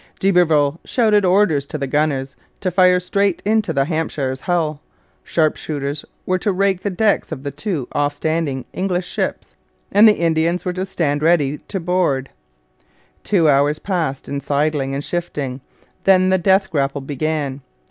D'Iberville shouted orders to the gunners to fire straight into the Hampshire's hull; sharpshooters were to rake the decks of the two off standing English ships, and the Indians were to stand ready to board. Two hours passed in sidling and shifting; then the death grapple began.